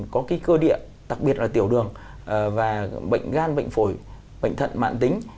có cái cơ địa đặc biệt là tiểu đường và bệnh gan bệnh phổi bệnh thận mạng tính